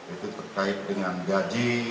itu terkait dengan gaji